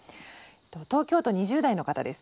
東京都２０代の方です。